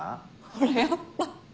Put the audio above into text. ほらやっぱ。